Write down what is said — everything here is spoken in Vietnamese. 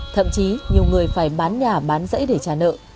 thậm chí nhiều người phải bán nhà bán dãy để trả nợ